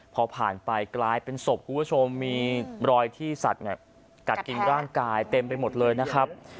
พอผ่านไปกลายเป็นศพคุณผู้ชมมีรอยที่สัตว์เนี่ยกัดกินร่างกายเต็มไปหมดเลยนะครับ